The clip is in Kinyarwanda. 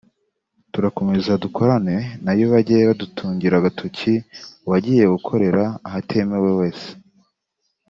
turakomeza dukorane na yo bajye badutungira agatoki uwagiye gukorera ahatemewe wese